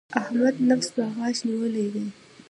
احمد نفس په غاښ نيولی دی.